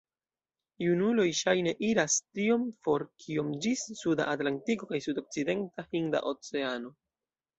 Junuloj ŝajne iras tiom for kiom ĝis suda Atlantiko kaj sudokcidenta Hinda Oceano.